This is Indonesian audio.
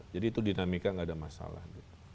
jadi itu dinamika gak ada masalah